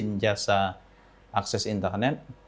pembangunan perusahaan yang memang memiliki ijin jasa akses internet